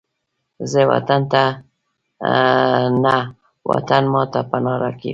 زه وطن ته نه، وطن ماته پناه راکوي